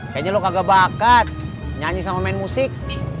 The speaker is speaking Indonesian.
kayaknya lo kagak bakat nyanyi sama main musik